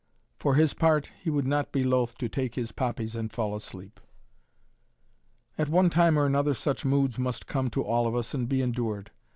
For his part he would not be loth to take his poppies and fall asleep. At one time or another such moods must come to all of us and be endured.